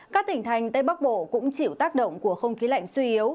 các tỉnh thành tây bắc bộ cũng chịu tác động của không khí lạnh suy yếu